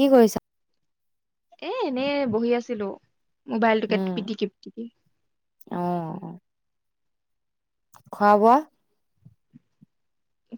কি কৰিছা। এ এনেই বহি আছিলোঁ। মোবাইলটোকে উম, পিটিকি পিটিকি অ। খোৱাবোৱা।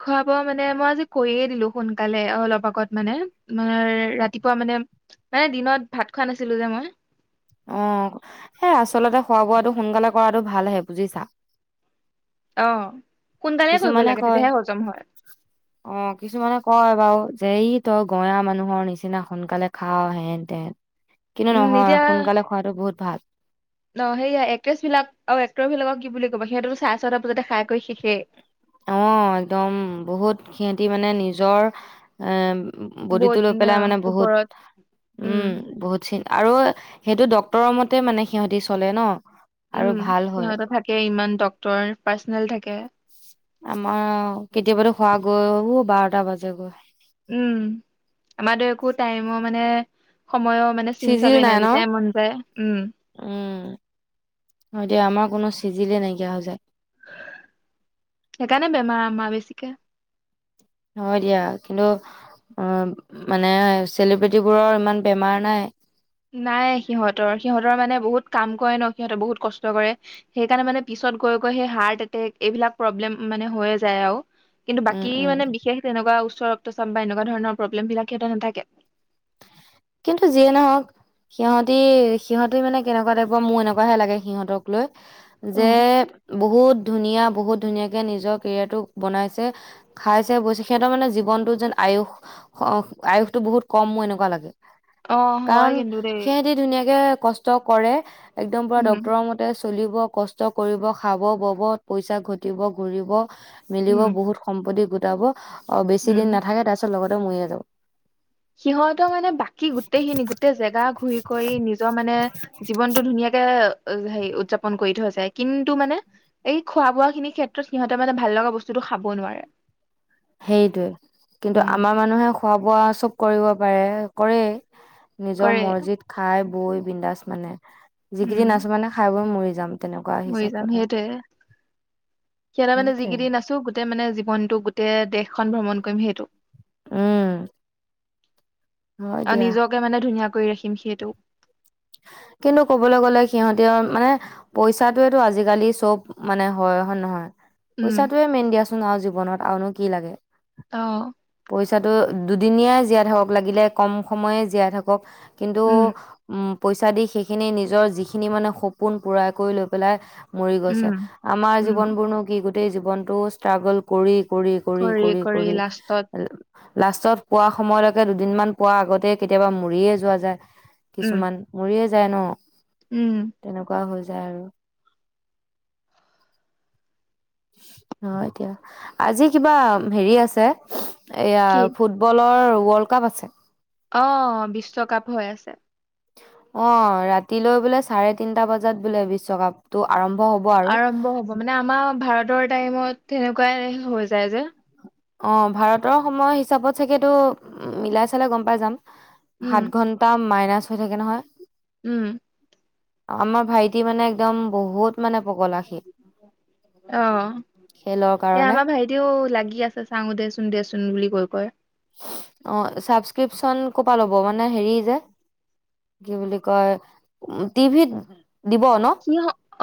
খোৱা বোৱা মানে মই আজি কৈয়ে দিলো সোনকালে অলপ আগত মানে ৰাতিপুৱা মানে মানে দিনত ভাত খোৱা নাছিলো যে মই। অ সেই আচলতে খোৱা বোৱাটো সোনকালে কৰাটো ভালহে বুজিছা। অ। সোনকালে কৰিব কিছুমানে লাগে কয় তেতিয়াহে হজম হয় অ কিছুমানে কয় বাৰু। যে ই তই গঞা মানুহৰ নিচিনা সোনকালে খাও হেন তেন। কিন্তু উম নহয় সোনকালে খোৱাতটো বহুত ভাল। ন সেইয়া এক্ট্ৰেছ বিলাক আৰু এক্টৰ বিলাকক কি বুলি ক'বা সিহঁতেতো চাৰে ছটা বজাতে খাই আকৌ শেখেই। অ একদম বহুত সিহতি মানে নিজৰ এ। বডিটো বহুত লৈ পেলাই মানে বহুত ওপৰত উম বহুত চিন। আৰু সেইটো ডক্তৰৰ মতে মানে সিহঁতি চলে ন। আৰু উম ভাল হয়। সিহঁতে থাকে ইমান টকাৰ। ডক্তৰ পাৰ্চনেল থাকে। আমাৰ কেতিয়াবাতো খোৱা গৈ বাৰটা বাজে গৈ। উম আমাৰো একো টাইমৰ মানে। সময়ো মানে চিন চিজিল চাপেই নাই ন? যেতিয়াই মন যায় উম। উম, হয় দিয়া আমাৰ কোনো চিজিলে নাইকিয়া হৈ যায়। সেইকাৰনে বেমা আমা বেছিকে। হয় দিয়া কিন্তু অ মানে চেলিব্ৰেটিবোৰৰ ইমান বেমাৰ নাই। নাই সিহঁতৰ সিহঁতৰ মানে বহুত কাম কৰে ন সিহঁতে বহুত কষ্ট কৰে সেইকাৰণে মানে পিছত গৈ গৈ সেই হাৰ্ট এটেক এইবিলাক প্ৰব্লেম মানে হৈয়ে যায় আওঁ। কিন্তু উম, বাকী উম, মানে বিশেষ তেনেকুৱা উচ্চ ৰক্ত। গম পাই এনেকুৱা ধৰণৰ প্ৰব্লেম বিলাক সিহঁত নাথাকে। কিন্তু যিয়ে নহওক সিহঁতি সিহঁতি মানে কেনেকুৱা টাইপৰ মোৰ এনেকুৱাহে লাগে সিহঁতক লৈ। যে উম, বহুত। ধুনীয়া বহুত ধুনীয়াকে নিজৰ কেৰিয়াৰটো বনাইছে খাইছে বৈছে সিহঁতৰ মানে জীৱনটোত যেন আয়ুস আয়ুসটো বহুত কম মোৰ এনেকুৱা লাগে। অ হয় কাৰণ কিন্তু দেই সিহঁতি ধুনীয়াকে। কষ্ট কৰে। একদম পুৰা উম ডক্তৰৰ মতে। চলিব কষ্ট কৰিব খাব বব পইচা ঘটিব ঘূৰিব মিলিব উম বহুত সম্পত্তি গ- গোতাব অ বেছি উম দিন নাথাকে তাৰিছত লগত কৰময়দ [unintelligible] সিহঁত মানে বাকী গোটেইখিনি গোটেই জেগা ঘূৰি ঘৰি নিজৰ মানে জীৱনটো ধুনীয়াকে হেৰি উদযাপন কৰি থৈছে কিন্তু মানে এই খোৱা বোৱা খিনিৰ ক্ষেত্ৰত সিহঁতে মানে ভাল লগা বস্তুটো খাবও নোৱাৰে সেইটোৱে কিন্তু উম আমাৰ মানুহে খোৱা বোৱা চব কৰিব পাৰে কৰে। নিজৰ কৰে মৰজিদ খাই বৈ বিন্দাজ মানে যিকেইদিন উম আছো মানে খাই বই মৰি যাম তেনেকুৱা মৰি হিচাপত যাম আৰু সেইটোয়ে সিয়াতে মানে সেইটোৱে। যিকেইদি ন আছো। গোতেই মানে জীৱ মটো গোটেই দেশখন ভ্ৰমণ কৰিম সেইটো- উম হয় আৰু দিয়া নিজকে মানে ধুনীয়াক কৰি ৰাখিম সেইটো কিন্তু ক'বলৈ গ'লে সিহতি মানে পইচাতোয়েটো আজিকালি চব মানে হয় হয় নহয়। উম পইচাটোয়ে মেন দিয়া চোন ন আৰু জীৱনত আৰুনো কি লাগে। অহ পইচাটো দুদিনীয়াাই জীয়াই থাকক লাগিলে কম সময়ে জীয়াই থাকক কিন্তু উম উম পইচা দি সেইখিনি নিজৰ যিখিনি মানে সপোন পূৰা কৰি লৈ পেলাই মৰি উম গৈছে আমাৰ উম জীৱন বোৰনো কি? গোটেই জীৱনতটো ষ্ট্ৰাগল কৰি কৰি কৰি কৰি কৰি লাষ্টত পোৱা সময়লৈকে দুদিনমান পোৱা আগতে কেতিয়াবা মৰিয়ে যোৱা যায়। উম কিছুমান যে যায় ন উম তেনেকুৱা হৈ যা য়াই আৰু অ এতিয়া আজি কিবা হেৰি আছে। এয়া কি ফুটবলৰ ৱৰ্ল্ড কাপ আছে। অহ বিশ্বকাপ হৈ আছে। অ ৰাতিলৈ বোলে চাৰে তিনটা বজাত বোলে বিশ্বকাপটো আৰম্ভ হ'ব আৰু। আৰম্ভ হ'ব মানে আমাৰ ভাৰতৰ। টাইমত তেনেকোৱাই হৈ যায় যে। অ ভাৰতৰ সময় হিচাপত চাগেতো মিলাই চালে গম পাই যাম। উম সাত ঘন্টা। মাইনাছ হৈ থাকে নহয়। উম। আমাৰ ভাইটি মানে একদম বহুত মানে পগলা সি অ, খেলৰ এ কাৰণে। আমাৰ ভাইটিও লাগি আছে। চাঙো দেচোন, দেচোন বুলি কৈ কৈ। অ ছাবচক্ৰিপচন ক'পা ল'ব? মানে হেৰি যে কি বুলি কয় টিভিত দিব ন। সি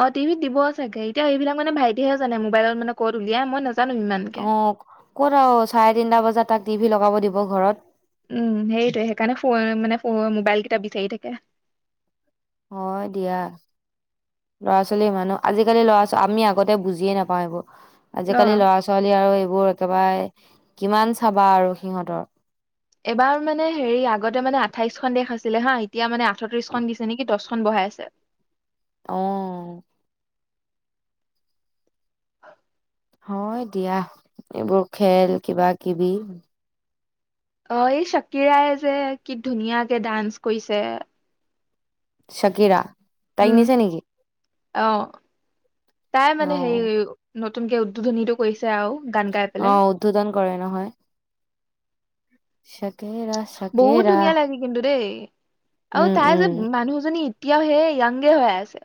অ টিভিত দিব চাগে এতিয়া এইবিলাক মানে ভাইটিয়েহে জানে মোবাইলত মানে কত উলিয়াই মই না। অ ক'ত আৰু চাৰে তিনটা বজাত তাক টি ভি লগাব দিব ঘৰত? উম সেইটোয়ে সেইকাৰণে ফ মানে ফ মানে মোবাইল কেইটা বিচাৰি থাকে হয় দিয়া, লৰা ছোৱালী মানুহ আজিকালি ল'ৰা ছোৱালী আমি আগতে বুজিয়ে নাপাওঁ এইবোৰ। অ আজিকালি ল'ৰা ছোৱালী আৰু এইবোৰ একেবাৰে কিমান চাবা আৰু সিহঁতৰ এবাৰ মানে হেৰি আগতে মানে আঠাইচখন দেশ আছিলে হা, এতিয়া মানে আঠত্ৰিচখন দিছে নেকি, দছ খন বহাই আছে। অ। [inaudible] হয় দিয়া, এইবোৰ খেল কিবা কিবি। অ, এই চকীৰাই যে কি ধুনীয়াকে ডান্স কৰিছে। চকীৰা? উম আহ তাই অ মানে হেৰি ন তুনকে উদ্বোধনীটো কৰিছে। আৰু গান গাই পেলাই অ উদ্বোধন কৰে নহয়। সত। বহুত ধুনীয়া লাগে কিন্তু দেই, আৰু উম তাই উম যে মানুহজনী এতিয়া সেই য়াংগে হৈ আছে।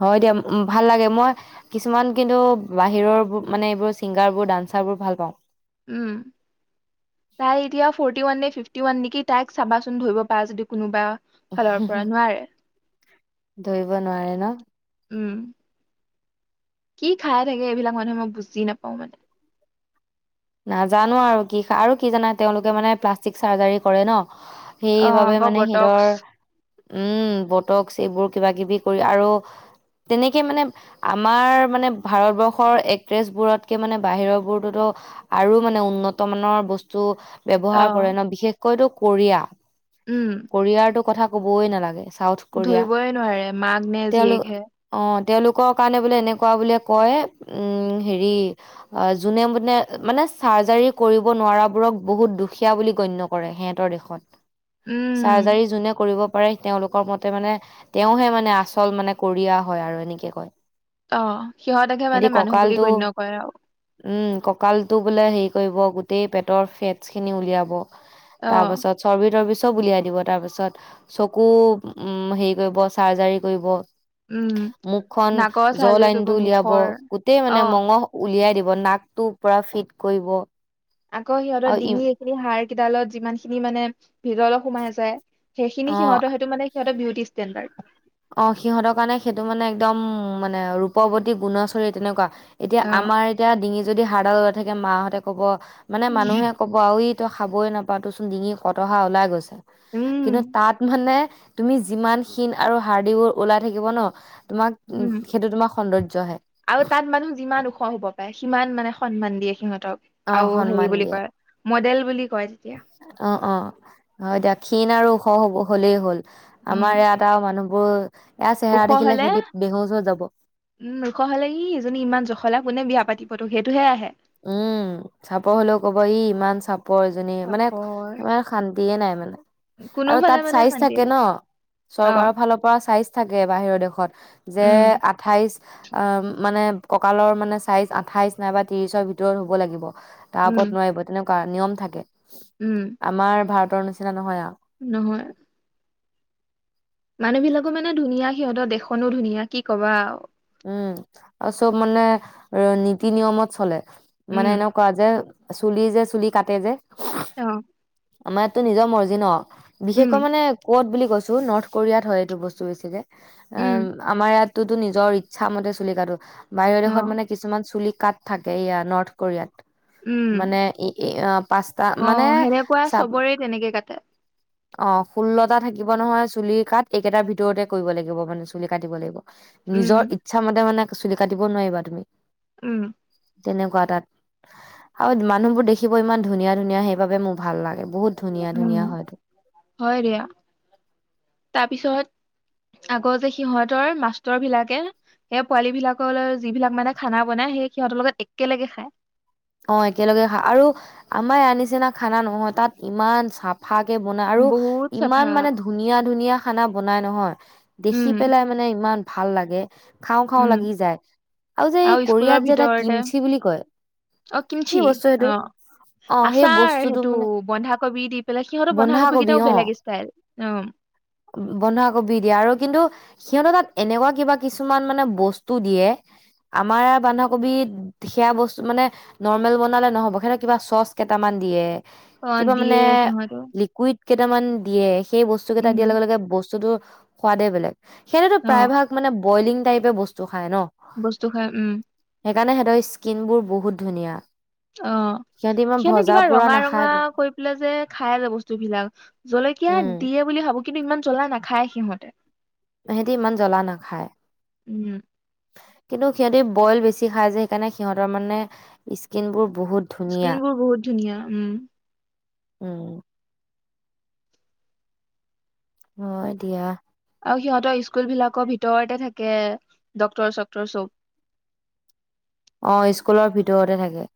হয় দিয়া ভাল লাগে মই কিছুমান কিন্তু বাহিৰৰ মানে এইবোৰ ছিংগাৰবোৰ ডান্সৰবোৰ ভাল পাওঁ। উম তাই এতিয়া ফৰ্টি ওৱানে ফিফ টি ওৱান নেকি, তাইক চাবাচোন ধৰিব পাৰা যদি কোনোবা? ফালৰ পৰা নোৱাৰে, ধৰিব নোৱাৰে ন উম। কি খাই থাকে এইবিলাক মানুহে মই বুজি নাপাওঁ মানে নাজানো আৰু কি আৰু কি জানা তেওঁলোকে মানে প্লাষ্টিক চাৰ্জাৰী কৰে ন অ সেইবাবে আকৌ মানে বটক্স হৃদৰ উম বটকচ এইবোৰ কিবা কিবি কৰি আৰু তেনেকে মানে আমাৰ মানে ভাৰতবৰ্ষৰ একট্ৰেছ বোৰতকে মানে বাহিৰৰ বোৰতোতো আৰু মানে উন্নত মানৰ বস্তু অ ব্যৱহাৰ কৰে ন বিশেষ কৈতো কৰিয়া উম কৰিয়াৰটো কথা ক'বই নালাগে চাউথ কোৰিয়া ধৰিবই নোৱাৰে মাক নে তেওঁলোক জীয়েকহে অ তেওঁলোকৰ কাৰণে বোলে এনেকুৱা বোলে কয় উম হেৰি যোনে বোলে মানে চাৰ্জাৰী কৰিব নোৱাৰাবোৰক বহুত দুখীয়া বুলি গণ্য কৰে সিহঁতৰ দেশত উম চাৰ্জাৰী যোনে কৰিব তেওঁলোকৰ মতে মানে তেওঁহে মানে আচল মানে কোৰিয়া হয় আৰু এনেকে কয় অ সিহঁতকহে মানে সিহঁতি মানুহ বুলি কঁকালটো গণ্য কৰে আৰু উম কঁকালটো বোলে হেৰি কৰিব গোটেই পেটৰ ফেটছখিনি উলিয়াব অ তাৰ পাছত চৰ্বিতৰ পিছত উলিয়াই দিব তাৰ পিছত চকু উম হেৰি কৰিব চাৰ্জাৰী কৰিব উম মুখখন নাকৰ জ চাৰ্জাৰী কৰিব লাইনটো উলিয়াব মুখৰ গোটেই অ মানে মঙহ উলিয়াই দিব নাকটো পৰা ফিট কৰিব আকৌ সিহঁতৰ আৰু ডিঙি এইখিনি হাৰ কেইডালত যিমান খিনি মানে ভিতলে সোমাই যায় সেইখিনি ই অ সিহঁতৰ সেইটো মানে সিহতে বিউটি ষ্টেণ্ডাৰ্ড অ সিহঁতৰ কাৰণে সেইটো মানে একদম মানে ৰূপৱ্তী গুণচৰিত তেনেকুৱা এতিয়া অ আমাৰ এতিয়া ডিঙি যদি হাড়দাল থাকে মাহঁতে ক'ব মানে মানুহে কব আৰু ই ত খাবই নাপা তো চোন ডিঙি কটহা ওলাই গৈছে উম কিন্তু তাত মানে তুমি যিমান খিন আৰু হাৰদিবোৰ ওলাই থাকিব ন তোমাক উম সেইটো তোমাৰ সৌন্দৰ্যহে আৰু তাত মানুহ যিমান ওখ হব পাৰে সিমান মানে সন্মান সিমত অ [unintelligible] আৰু হেৰি সন্মান বুলি দিয়ে কয় মডেল বুলি কয় তেতিয়া অ অ হয় এতিয়া ক্ষীণ আৰু ওখ হলেই হ'ল। উম আমাৰ ইয়াত এটা মানুহ ব [unintelligible] ওখ হলে যাব উম ওখ হলে ই এজনী ইমান জখলা কোনে বিয়া পাতিব তোক সেই টোহে আহে উম চাপ হলেও কব ই ইমান চাপ ওপৰজনী মানে চাপৰ ম শান্তিয়ে নাই মানে আৰু কোনোফালে তাত মানে চাইজ শান্তি থাকে ন নাই অ চৰকাৰৰ ফালৰ পৰা চাইজ থাকে বাহিৰৰ দেশত যে উম আঠাইশ অ মানে কঁকালৰ মানে চাইজ আঠাইশ নাইবা ত্ৰিশ ভিতৰত হ'ব লাগিব তাৰ উম ওপৰত নোৱাৰিব তেনেকুৱ নিয়ম থাকে উম আমাৰ ভাৰত বতৰ নিচনা নহয় আৰু নহয় মানুহ বিলাকো মানে ধুনীয়া সিহঁতৰ দেশখনো ধুনীয়া কি কবা উম আৰু চব মানে নীতি- নিয়মত চলে উম মানে এনে কোৱা যে চুলি যে চুলি কাটে যে অঁ আমাৰ ইয়াতো নিজৰ মৰ্জি ন বিশেষকৈ মানে কত বুলি গৈছো নৰ্থ কোৰিয়াত হয় এইটো বস্তু বেছিকে উম আমাৰ ইয়াত তো ত নিজৰ মতে চুলি কাটো বাহিৰৰ অ দেশত মানে কিছুমান চুলিক কাট থাকে এইয়া নৰ্থ কোৰিয়াত মানে উম এ অ সেনেকুৱা চবৰে তেনেকে কাটে অঁ ষোল্লটা থাকিব নহয় চুলি কাট এইকেইটাৰ ভিতৰতে কৰিব লাগিব মানে চুলি কাটিব লাগিব উম নিজৰ নিজৰমতে মানে চুলি কাটিব নোৱাৰিবা তুমি উম তেনেকুৱা তাত আৰু মানুহবোৰ দেখিব ইমান ধুনীয়া ধুনীয়া সেইবাবে মোৰ ভাল লাগে বহুত ধুনীয়া উম ধুনীয়া হয় হয় দিয়া তাৰপিছত আগৰ যে সিহঁতৰ মাষ্টৰ বিলাকে সেই পোৱালী বিলাকৰ যিবিলাক মানে খানা বনাই সেই সিহঁতৰ লগত একেলগে খায় অঁ একেলগে খাই আৰু আমাৰ আ নিচিনা খানা নহয় তাত ইমান চাফা চফাকে বনাই আৰু বহুত চাফা ইমান মানে ধুনীয়া ধুনীয়া খানা বনাই নহয় দেখি উম পেলাই মানে ইমান ভাল লাগে খাওঁ খাওঁ উম লাগি যায় আৰু যে এই স্কুলৰ কৰিয়াত যে এটা ভিতৰতে কিমচি বুলি কয় অ কি কিনছি বস্তু সেইটো আহ অ সেই আচাৰ বস্তুটো সেইটো মানে বন্ধাকবি দি পেলাই সিহঁতৰ বন্ধাকবি কেইটাও বেলেগ ষ্টাইল উম সিহঁতে তাত এনেকুৱা কিবা কিছুমান মানে বস্তু দিয়ে আমাৰ বন্ধাকবি সেয়া বস্তু মানে নৰ্মেল বনালে নহ'ব সতে কিবা চচ কেইটামান দিয়ে অ কিবা দিয়ে মানে সিহঁতেও লিকুইড কেইটামান দিয়ে সেই বস্তুকেইটা উম দিয়াৰ লগে লগে বস্তুটোৰ সোৱাদে বেলেগ সেইটোতো অ প্ৰায় ভাগ মানে বইলিং টাইপে বস্তু খায় ন বস্তু খায় উম সেইকাৰণে হেতৰ স্কিনবোৰ বহুত ধুনীয়া অ সিহঁতি ইমান সিহঁতে ভজা কিবা পুৰা ৰঙা ৰঙা নাখায়তো কৈ পেলাই যে খাই যে বস্তু বিলাক জলকীয়া উম দিয়ে বুলি ভাবো কিন্তু ইমান জ্বলা নাখায় সিহঁতে সিহতি ইমান জ্বলা নাখায় উম কিন্তু সিহঁতে বইল বেছি খাই য়ে সেইকাৰণে সিহঁতৰ মানে স্কিনবোৰ স্কিন বোৰ বহুত ধুনীয়া উম উম হয় দিয়া আৰু সিহঁতৰ স্কুল বিলাকৰ ভিতৰতে থাকে ড্ক্তৰ চকক্তৰ চব অ স্কুলৰ ভিতৰতে থাকে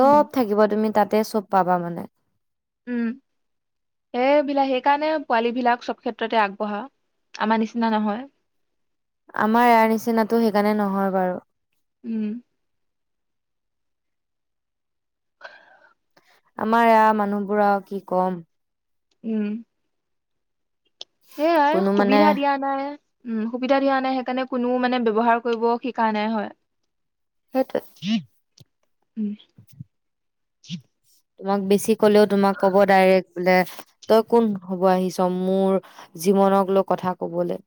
উম থাকিব তুমি তাত তাতে চব পাবা মানে উম সেইবিলাক সেইকাৰণে পোৱালী বিলাক চব ক্ষেত্ৰতে আগবঢ়া আমাৰ নিচিনা নহয় আমাৰ এযাৰ নিচিনাতটো সেইকাৰণে নহয় বাৰু উম আমাৰ ইয়াৰ মানুহবোৰ আৰু কি কম উম সেই অঁ কোনো মানে সুবিধা দিয়া নাই উম সুবিধা দিয়া নাই সেইকাৰণে কোনো মানে ব্যৱহাৰ কৰিব শিকা নাই হয় সেইটোৱে কি [inaudible] উম [inaudible] তোমাক বেছি ক'লেও তোমাক ক'ব ডাইৰেক্ট বোলে তই কোন হব আহিছ মোৰ জীৱনক লৈ কথা কবলে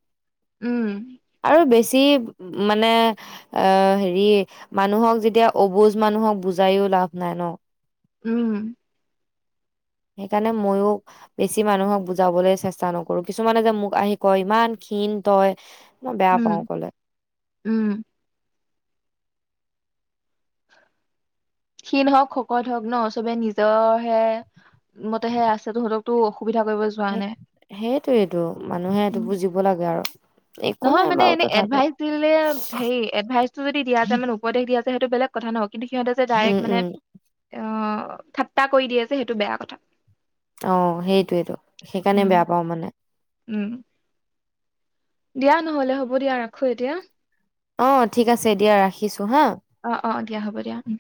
উম যি মানে আহ হেৰি মানুহক যেতিয়া অবুজ মানুহক বুজাইও লাভ নাই ন। উম সেইকাৰণে মইয়ো বেছি মানুহক বুজাবলৈ চেষ্টা নকৰো। কিছুমানে যে মোক আহি কয় ইমান ক্ষীণ তই মই বেয়া পাওঁ উম, ক'লে। উম, ক্ষীণ হওক, শকত হওক ন চবে নিজৰ হে মতেহে আছে তহঁতক তো অসুবিধা কৰিব যোৱা সেই নাই। সেইটোৱেইটো মানুহে এইটো বুজিব লাগে আৰু একো নহয় নাই মানে বাৰু এনে তথাপিও এডভাইচ দিলে সেই এডভাইচ টো যদি দিয়া যায় অসুবিধা উপদেশ দিয়া যে সেইটো বেলেগ কথা ন কিন্তু সিহঁতে উম ডাইৰেক্ট মানে উম অ ঠাট্টা কৰি দিয়ে যে সেইটো বেয়া কথা। অ সেইটোৱেতো, উম সেইকাৰণে বেয়া পাওঁ মানে উম দিয়া নহলে হ'ব দিয়া ৰাখো এতিয়া। অ ঠিক আছে, দিয়া ৰাখিছো। হা অ, অ দিয়া হ'ব দিয়া উম।